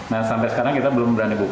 nah sampai sekarang kita belum berani buka